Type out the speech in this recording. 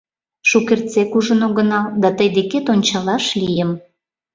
Шукертсек ужын огынал, да тый декет ончалаш лийым.